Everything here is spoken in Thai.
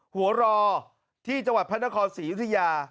หัวรอที่จังหวัดพระนครศรียุธยา